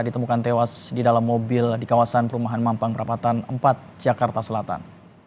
ditemukan tewas di dalam mobil di kawasan perumahan mampang perapatan empat jakarta selatan